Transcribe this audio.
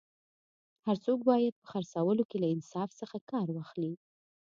هر څوک باید په خرڅولو کي له انصاف څخه کار واخلي